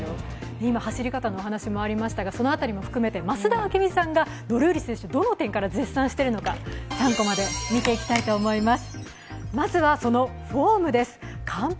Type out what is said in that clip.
今、走り方のお話もありましたが、その辺りも含めて増田明美さんがどのように絶賛しているのか３コマで見ていきたいと思います。